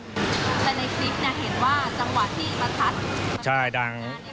แต่ในคลิปเนี่ยเห็นว่าจังหวะที่ประทัดใช่ดัง